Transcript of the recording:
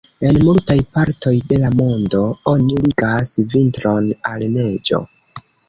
En multaj partoj de la mondo, oni ligas vintron al neĝo.